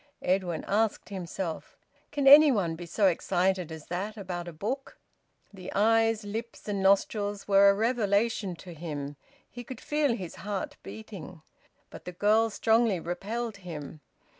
Edwin asked himself, "Can any one be so excited as that about a book?" The eyes, lips, and nostrils were a revelation to him. He could feel his heart beating. But the girl strongly repelled him.